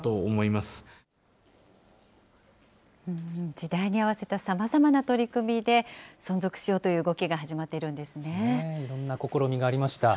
時代に合わせたさまざまな取り組みで存続しようという動きがいろんな試みがありました。